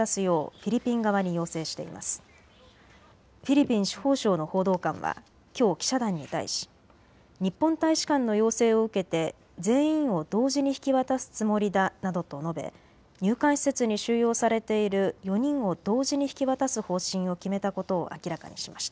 フィリピン司法省の報道官はきょう記者団に対し日本大使館の要請を受けて全員を同時に引き渡すつもりだなどと述べ入管施設に収容されている４人を同時に引き渡す方針を決めたことを明らかにしました。